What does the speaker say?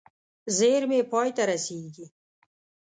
زېرمې پای ته رسېږي.